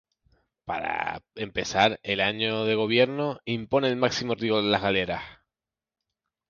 Para empezar, al año de gobierno, impone el máximo rigor en las galeras.